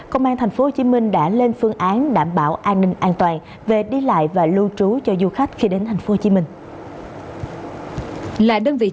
công an tp hcm đã lên phương án đảm bảo an ninh an toàn về đi lại và lưu trú cho du khách khi đến tp hcm